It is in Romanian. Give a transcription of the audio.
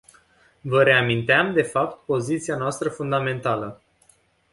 Vă reaminteam, de fapt, poziția noastră fundamentală.